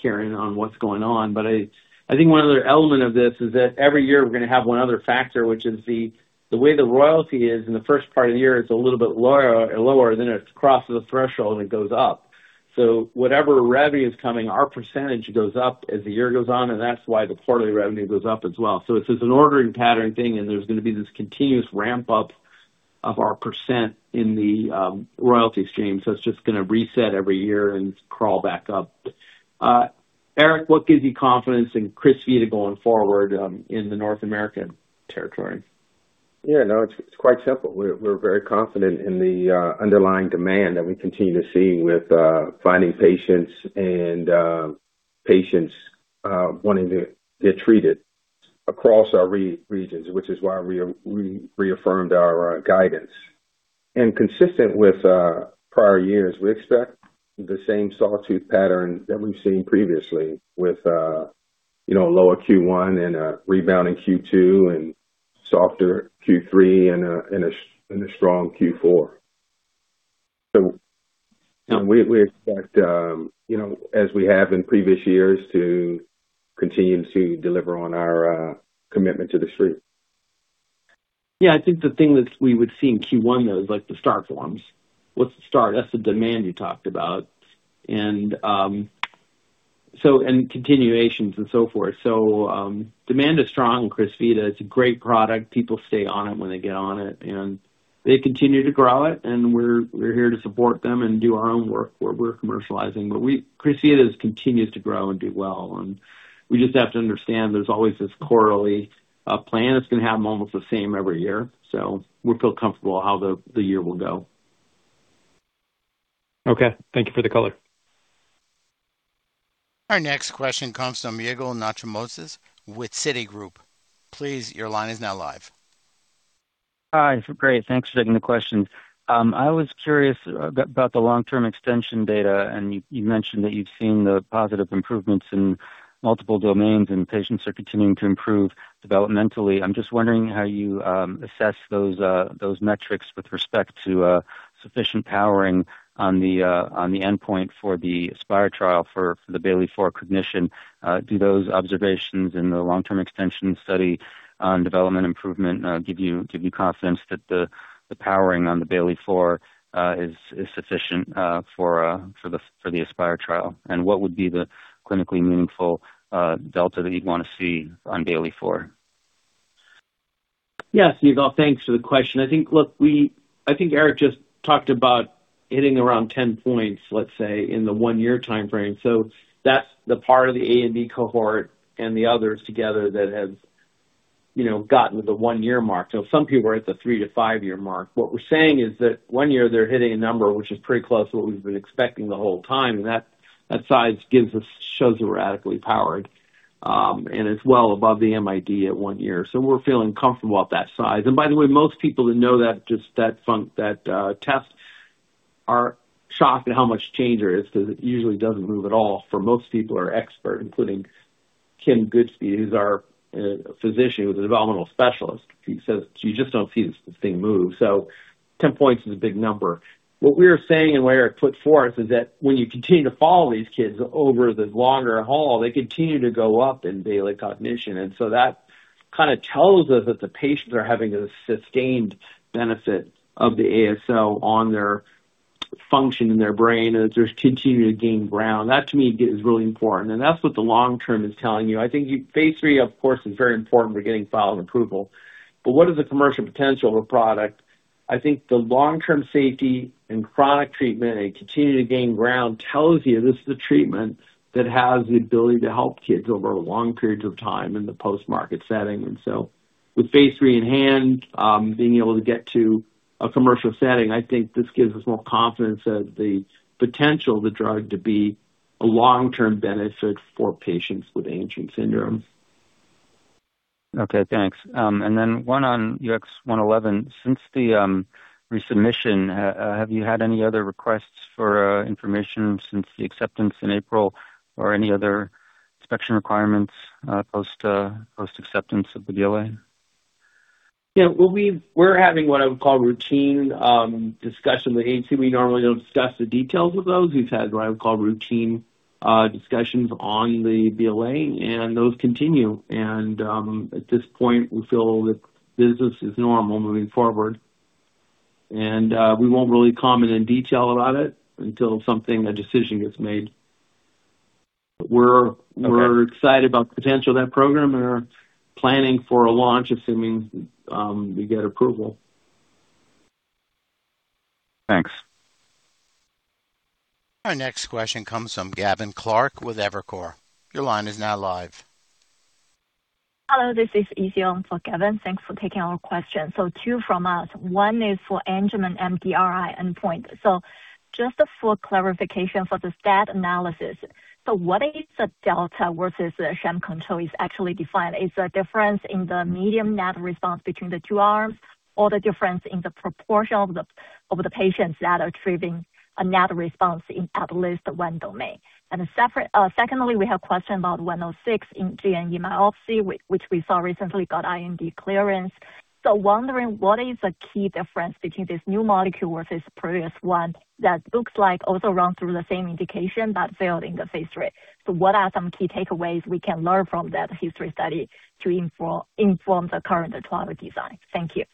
carrying on what's going on. One other element of this is that every year we're gonna have one other factor, which is the way the royalty is in the first part of the year, it's a little bit lower, then it crosses the threshold and it goes up. Whatever revenue is coming, our percentage goes up as the year goes on, and that's why the quarterly revenue goes up as well. It's just an ordering pattern thing, and there's gonna be this continuous ramp-up of our percent in the royalty stream. It's just gonna reset every year and crawl back up. Erik, what gives you confidence in CRYSVITA going forward in the North American territory? Yeah, no, it's quite simple. We're very confident in the underlying demand that we continue to see with finding patients and patients wanting to get treated across our regions, which is why we reaffirmed our guidance. Consistent with prior years, we expect the same sawtooth pattern that we've seen previously with, you know, lower Q1 and a rebounding Q2 and softer Q3 and a strong Q4. We expect, you know, as we have in previous years, to continue to deliver on our commitment to the street. Yeah. I think the thing that we would see in Q1, though, is like the start forms. What's the start? That's the demand you talked about. Continuations and so forth. Demand is strong in CRYSVITA. It's a great product. People stay on it when they get on it, and they continue to grow it, and we're here to support them and do our own work where we're commercializing. CRYSVITA has continued to grow and do well, and we just have to understand there's always this quarterly plan that's gonna happen almost the same every year. We feel comfortable how the year will go. Okay. Thank you for the color. Our next question comes from Yigal Nochomovitz with Citigroup. Please, your line is now live. Hi. Great. Thanks for taking the question. I was curious about the long-term extension data. You, you mentioned that you've seen the positive improvements in multiple domains and patients are continuing to improve developmentally. I'm just wondering how you assess those metrics with respect to sufficient powering on the endpoint for the Aspire trial for the Bayley-4 cognition. Do those observations in the long-term extension study on development improvement give you confidence that the powering on the Bayley-4 is sufficient for the Aspire trial? What would be the clinically meaningful delta that you'd wanna see on Bayley-4? Yes, Yigal. Thanks for the question. I think Eric just talked about hitting around 10 points, let's say, in the one-year time frame. That's the part of the A and B cohort and the others together that has, you know, gotten to the one-year mark. Some people are at the three-five-year mark. What we're saying is that one year they're hitting a number which is pretty close to what we've been expecting the whole time, and that size shows we're statistically powered. It's well above the MID at one year. We're feeling comfortable at that size. By the way, most people that know that, just that test are shocked at how much change there is because it usually doesn't move at all for most people who are expert, including Kim Goodspeed, who's our physician, who's a developmental specialist. She says you just don't see this thing move. 10 points is a big number. What we're saying and the way Eric put forth is that when you continue to follow these kids over the longer haul, they continue to go up in Bayley cognition. That kind of tells us that the patients are having a sustained benefit of the ASO on their function in their brain, and they're continuing to gain ground. That, to me, is really important. That's what the long term is telling you. I think phase III, of course, is very important for getting file approval. What is the commercial potential of a product? I think the long-term safety, chronic treatment, and continuing to gain ground tells you this is a treatment that has the ability to help kids over long periods of time in the post-market setting. With phase III in hand, being able to get to a commercial setting, I think this gives us more confidence that the potential of the drug to be a long-term benefit for patients with Angelman syndrome. Okay. Thanks. One on UX-111. Since the resubmission, have you had any other requests for information since the acceptance in April or any other inspection requirements, post acceptance of the BLA? Yeah. Well, we're having what I would call routine discussion with the agency. We normally don't discuss the details of those. We've had what I would call routine discussions on the BLA. Those continue. At this point, we feel that business is normal moving forward. We won't really comment in detail about it until something, a decision gets made. Okay. We're excited about the potential of that program. We're planning for a launch, assuming we get approval. Thanks. Our next question comes from Gavin Clark-Gartner with Evercore. Your line is now live. Hello, this is Yi Xiong for Gavin. Thanks for taking our question. Two from us. One is for Angelman MDRI endpoint. Just for clarification for the stat analysis. What is the delta versus the sham control is actually defined? Is the difference in the medium net response between the two arms or the difference in the proportion of the patients that are achieving a net response in at least one domain? Secondly, we have question about 106 in GNE myopathy, which we saw recently got IND clearance. Wondering, what is the key difference between this new molecule versus previous one that looks like also run through the same indication that failed in the phase III? What are some key takeaways we can learn from that history study to inform the current trial design? Thank you.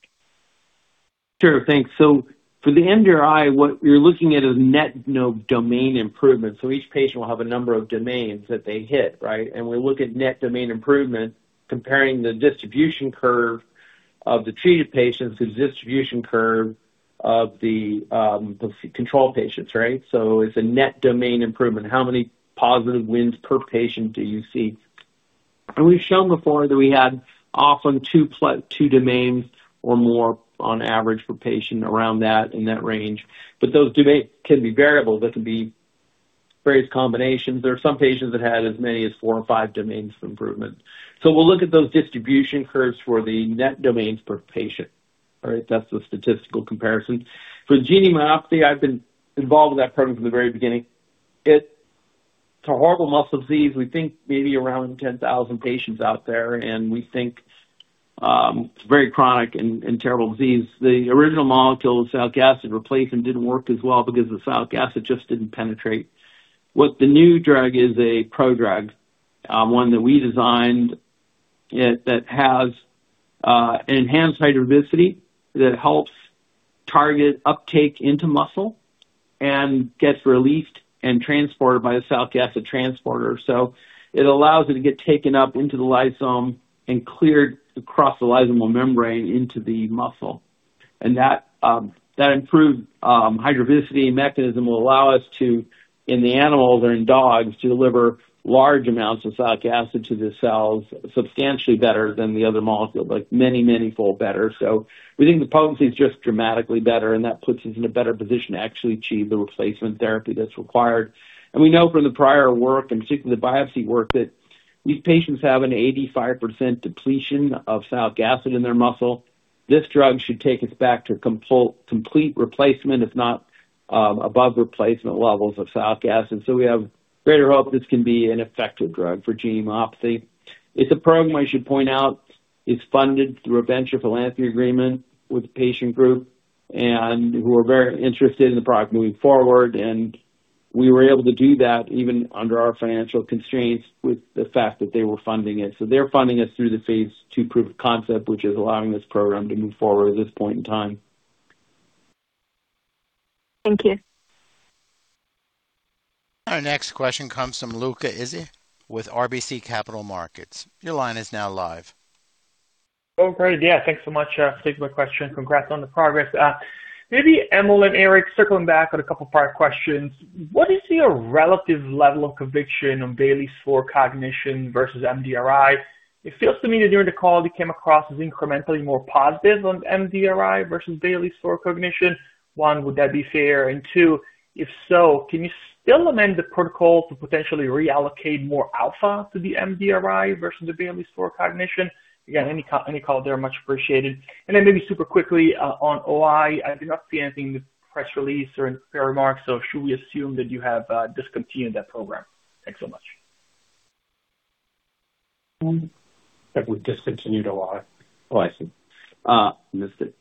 Sure. Thanks. For the MDRI, what we're looking at is net domain improvement. Each patient will have a number of domains that they hit, right? We look at net domain improvement comparing the distribution curve of the treated patients to the distribution curve of the control patients, right? It's a net domain improvement. How many positive wins per patient do you see? We've shown before that we had often two domains or more on average per patient around that, in that range. Those domains can be variable. There can be various combinations. There are some patients that had as many as four or five domains of improvement. We'll look at those distribution curves for the net domains per patient. All right? That's the statistical comparison. For the GNE myopathy, I've been involved with that program from the very beginning. It's a horrible muscle disease. We think maybe around 10,000 patients out there, and we think it's a very chronic and terrible disease. The original molecule of sialic acid replacement didn't work as well because the sialic acid just didn't penetrate. What the new drug is a prodrug, one that we designed it, that has enhanced hydrophobicity that helps target uptake into muscle and gets released and transported by a sialic acid transporter. It allows it to get taken up into the lysosome and cleared across the lysosomal membrane into the muscle. That improved hydrophobicity mechanism will allow us to, in the animals or in dogs, to deliver large amounts of sialic acid to the cells substantially better than the other molecule, like many fold better. We think the potency is just dramatically better, and that puts us in a better position to actually achieve the replacement therapy that's required. We know from the prior work, and particularly the biopsy work, that these patients have an 85% depletion of sialic acid in their muscle. This drug should take us back to complete replacement, if not above replacement levels of sialic acid. We have greater hope this can be an effective drug for GNE myopathy. It's a program I should point out. It's funded through a venture philanthropy agreement with the patient group and who are very interested in the product moving forward. We were able to do that even under our financial constraints with the fact that they were funding it. They're funding us through the phase II proof of concept, which is allowing this program to move forward at this point in time. Thank you. Our next question comes from Luca Issi with RBC Capital Markets. Your line is now live. Oh, great. Yeah, thanks so much. Thanks for my question. Congrats on the progress. Maybe Emil and Eric, circling back on a couple prior questions. What is your relative level of conviction on Bayley score cognition versus MDRI? It feels to me that during the call, you came across as incrementally more positive on MDRI versus Bayley score cognition. One, would that be fair? Two, if so, can you still amend the protocol to potentially reallocate more alpha to the MDRI versus the Bayley score cognition? Again, any call there, much appreciated. Then maybe super quickly, on OI, I did not see anything in the press release or in prepared remarks. Should we assume that you have discontinued that program? Thanks so much. That we've discontinued OI. Oh, I see. Missed it.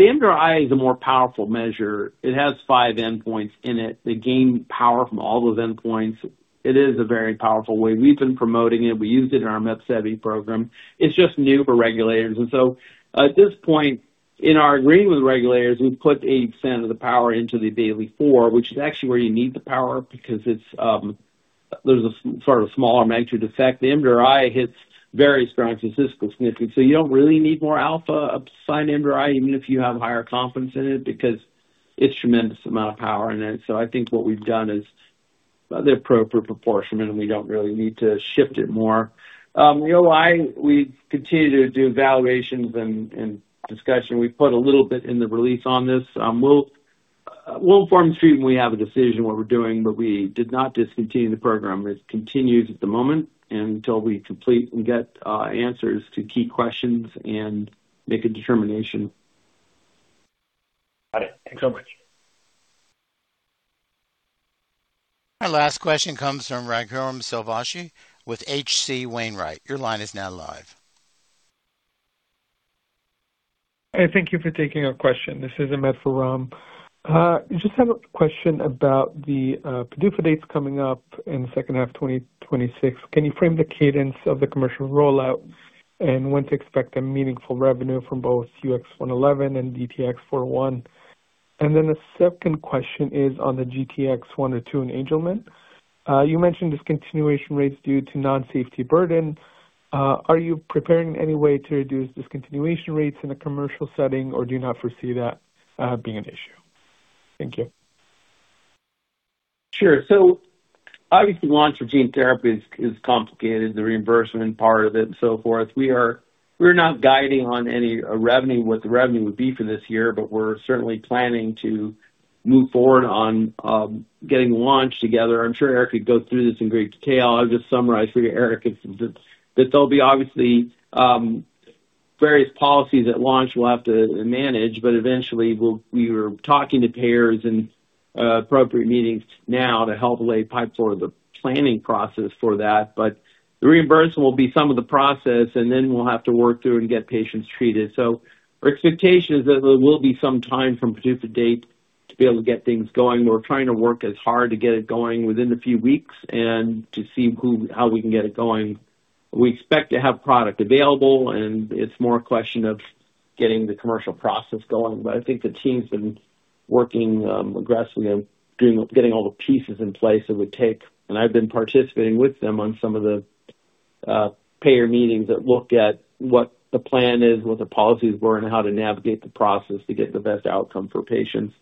The MDRI is a more powerful measure. It has five endpoints in it. They gain power from all those endpoints. It is a very powerful way. We've been promoting it. We used it in our MEPSEVII program. It's just new for regulators. At this point, in our agreement with regulators, we've put 80% of the power into the Bayley-4, which is actually where you need the power because it's a sort of smaller magnitude effect. The MDRI hits very strong statistical significance. You don't really need more alpha assigned MDRI, even if you have higher confidence in it, because it's tremendous amount of power in it. I think what we've done is the appropriate proportion, and we don't really need to shift it more. The OI, we continue to do evaluations and discussion. We put a little bit in the release on this. We'll inform the Street when we have a decision what we're doing. We did not discontinue the program. It continues at the moment until we complete and get answers to key questions and make a determination. Got it. Thanks so much. Our last question comes from Raghuram Selvaraju with H.C. Wainwright. Your line is now live. Hey, thank you for taking our question. This is Ahmed for Ram. Just have a question about the PDUFA dates coming up in the second half of 2026. Can you frame the cadence of the commercial rollout and when to expect a meaningful revenue from both UX111 and DTX401? The second question is on the GTX-102 in Angelman. You mentioned discontinuation rates due to non-safety burden. Are you preparing any way to reduce discontinuation rates in a commercial setting, or do you not foresee that being an issue? Thank you. Sure. Obviously, launch of gene therapy is complicated, the reimbursement part of it and so forth. We're not guiding on any revenue, what the revenue would be for this year, we're certainly planning to move forward on getting the launch together. I'm sure Eric could go through this in great detail. I'll just summarize for you, Eric. That there'll be obviously various policies at launch we'll have to manage, eventually We are talking to payers in appropriate meetings now to help lay pipe for the planning process for that. The reimbursement will be some of the process, we'll have to work through and get patients treated. Our expectation is that there will be some time from PDUFA date to be able to get things going. We're trying to work as hard to get it going within a few weeks and to see who, how we can get it going. We expect to have product available, and it's more a question of getting the commercial process going. I think the team's been working aggressively and getting all the pieces in place it would take, and I've been participating with them on some of the payer meetings that look at what the plan is, what the policies were, and how to navigate the process to get the best outcome for patients.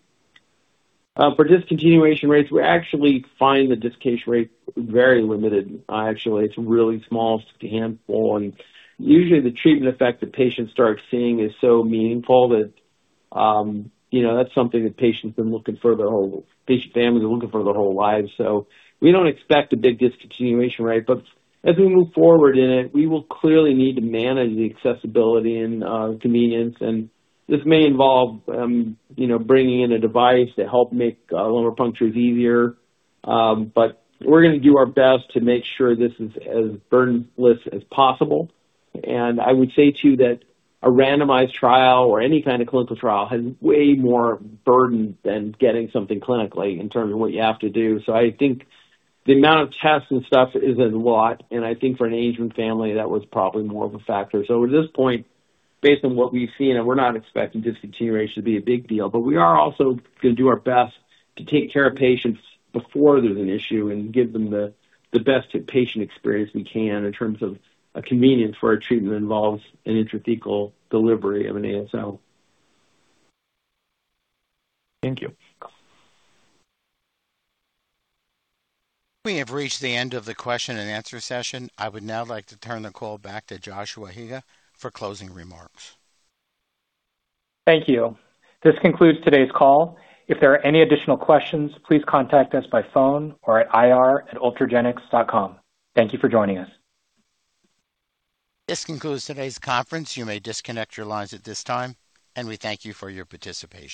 For discontinuation rates, we actually find the discontinuation rate very limited. Actually, it's a really small sample. Usually the treatment effect the patients start seeing is so meaningful that, you know, that's something patient families are looking for their whole lives. We don't expect a big discontinuation rate. As we move forward in it, we will clearly need to manage the accessibility and convenience. This may involve, you know, bringing in a device to help make lumbar punctures easier. We're gonna do our best to make sure this is as burdenless as possible. I would say, too, that a randomized trial or any kind of clinical trial has way more burden than getting something clinically in terms of what you have to do. I think the amount of tests and stuff is a lot, and I think for an aging family, that was probably more of a factor. At this point, based on what we've seen, and we're not expecting discontinuation to be a big deal. We are also gonna do our best to take care of patients before there's an issue and give them the best patient experience we can in terms of a convenience for a treatment that involves an intrathecal delivery of an ASO. Thank you. We have reached the end of the question and answer session. I would now like to turn the call back to Joshua Higa for closing remarks. Thank you. This concludes today's call. If there are any additional questions, please contact us by phone or at ir@ultragenyx.com. Thank you for joining us. This concludes today's conference. You may disconnect your lines at this time, and we thank you for your participation.